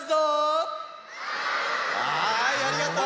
はいありがとう！